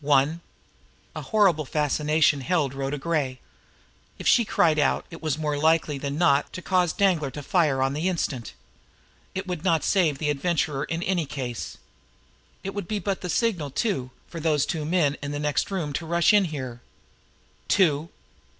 One!" A horrible fascination held Rhoda Gray. If she cried out, it was more likely than not to cause Danglar to fire on the instant. It would not save the Adventurer in any case. It would be but the signal, too, for those two men in the next room to rush in here. "Two!"